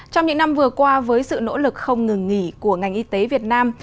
trong những năm vừa qua với sự nỗ lực không ngừng nghỉ của ngành y tế việt nam